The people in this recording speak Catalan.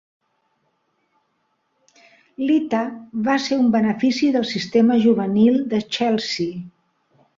Lita va ser un benefici del sistema juvenil de Chelsea.